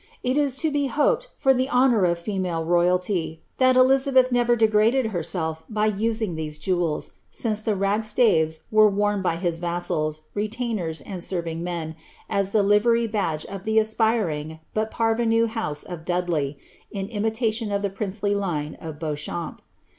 It is to be hoped, for the honour of female royalty, that Elizabeth never degraded herself by using these jewels, since the ragged staves were worn by his vassals, retainers, and lerving men as the livery badge of the aspiring, but parverme house of Dudley, in imitation of the princely line of Beauchamp.